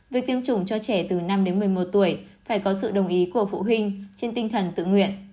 việc tiêm chủng cho trẻ từ năm đến một mươi một tuổi phải có sự đồng ý của phụ huynh trên tinh thần tự nguyện